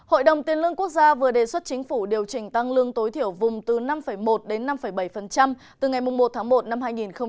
hội đồng tiền lương quốc gia vừa đề xuất chính phủ điều chỉnh tăng lương tối thiểu vùng từ năm một đến năm bảy từ ngày một tháng một năm hai nghìn hai mươi